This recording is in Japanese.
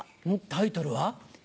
タイトルは？